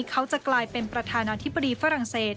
เขาจะกลายเป็นประธานาธิบดีฝรั่งเศส